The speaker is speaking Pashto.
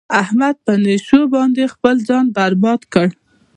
احمد په نشو باندې خپل ژوند برباد کړ.